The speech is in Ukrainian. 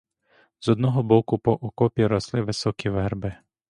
З одного боку по окопі росли високі верби.